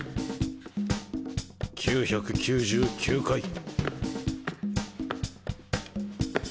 ９９９回。